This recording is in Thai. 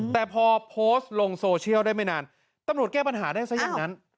แต่พอโพสต์ลงโซเชียลได้ไม่นานตำรวจแก้ปัญหาได้ซะอย่างนั้น